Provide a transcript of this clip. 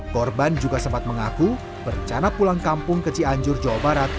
korban juga sempat mengaku berencana pulang kampung ke cianjur jawa barat